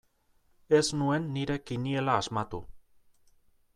Ez nuen nire kiniela asmatu.